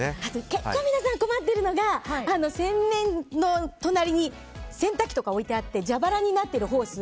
結構皆さん、困ってるのが洗面所の隣に洗濯機とか置いてあって蛇腹になっているホース。